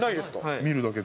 見るだけで。